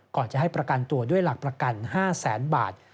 ก่อนจะให้ประกันตัวด้วยหลักประกัน๕แสนบาท